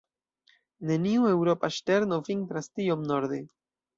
Neniu eŭropa ŝterno vintras tiom norde.